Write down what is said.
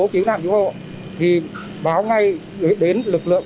thì báo ngay đến lực lượng